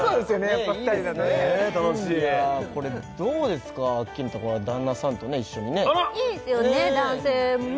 やっぱ２人だとねね楽しいこれどうですかアッキーナとかは旦那さんと一緒にねいいですよね男性もね